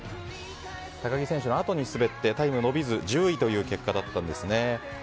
高木選手のあとに滑ってタイムが伸びず１０位という結果だったんです。